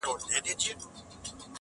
او خپل مفهوم ترې اخلي تل,